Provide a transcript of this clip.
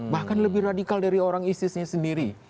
bahkan lebih radikal dari orang isisnya sendiri